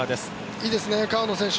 いいですね、川野選手。